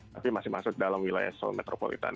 tapi masih masuk dalam wilayah seoul metropolitan